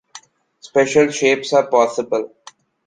Special shapes are possible.